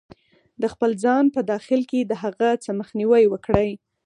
-د خپل ځان په داخل کې د هغه څه مخنیوی وکړئ